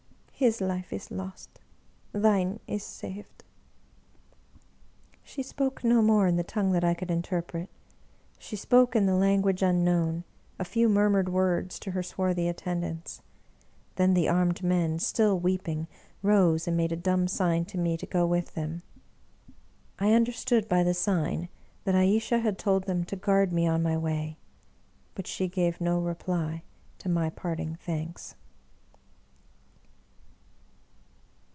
His life is lost, thine is saved !" She spoke no more in the tongue that I could inter pret. She spoke, in the language unknown, a few mur mured words to her swarthy attendants; then the armed men, still weeping, rose, and made a dumb sign to me to go with them. I understood by the sign that Ayesha had told them to guard me on my way; but she gave no reply to my parting thanks.